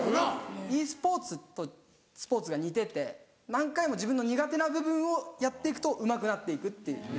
ｅスポーツとスポーツが似てて何回も自分の苦手な部分をやって行くとうまくなって行くっていう。